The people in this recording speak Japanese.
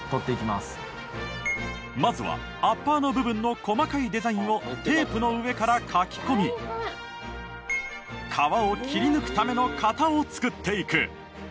まずはアッパーの部分の細かいデザインをテープの上から描き込み革を切り抜くための型を作っていく。